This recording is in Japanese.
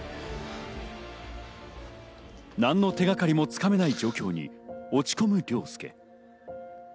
何の手がかりも掴めない状況に落ち込む凌介。